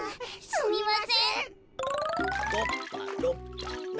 すみません。